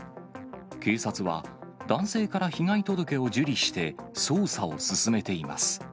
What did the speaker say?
警察は、男性から被害届を受理して、捜査を進めています。